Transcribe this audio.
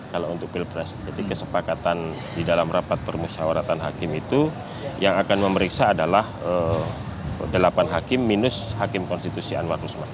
kalau untuk pilpres jadi kesepakatan di dalam rapat permusyawaratan hakim itu yang akan memeriksa adalah delapan hakim minus hakim konstitusi anwar usman